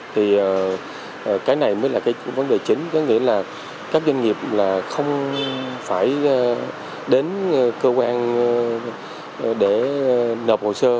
thì cái này mới là cái vấn đề chính có nghĩa là các doanh nghiệp là không phải đến cơ quan để nộp hồ sơ